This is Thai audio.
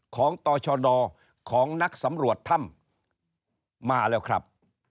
ของต่อชดของนักสำรวจถ้ำมาแล้วครับ